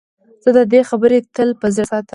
زه د ده خبرې تل په زړه ساتم.